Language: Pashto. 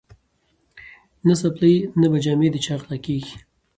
نه څپلۍ نه به جامې د چا غلاکیږي